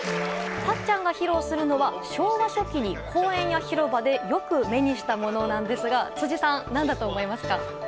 たっちゃんが披露するのは昭和初期に公園や広場でよく目にしたものなんですが辻さん、何だと思いますか？